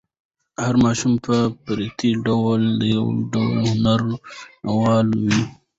هر ماشوم په فطري ډول د یو ډول هنر مینه وال وي.